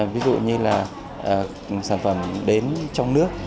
ví dụ như là sản phẩm đến trong nước